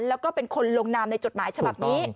แล้วก็เป็นคนลงนามในจดหมายฉบับนี้